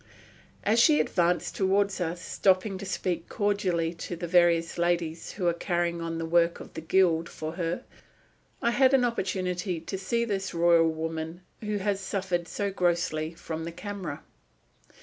As she advanced toward us, stopping to speak cordially to the various ladies who are carrying on the work of the Guild for her, I had an opportunity to see this royal woman who has suffered so grossly from the camera.